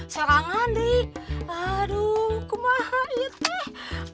sarangan deh aduh kumaha iya teh